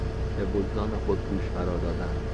به وجدان خود گوش فرا دادن